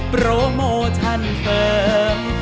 โปรโมชั่นเฟิร์ม